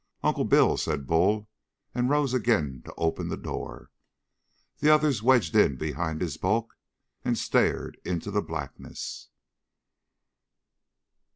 "Uncle Bill!" said Bull and rose again to open the door. The others wedged in behind his bulk and stared into the blackness.